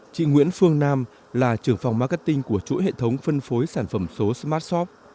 chị nguyễn phương nam là trưởng phòng marketing của chuỗi hệ thống phân phối sản phẩm số smartshop